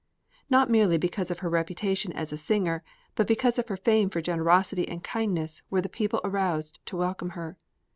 Not merely because of her reputation as a singer, but because of her fame for generosity and kindness were the people aroused to welcome her.